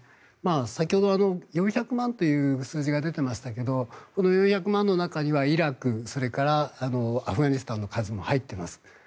先ほど４００万という数字が出ていましたがこの４００万の中にはイラク、それからアフガニスタンの数も入っています。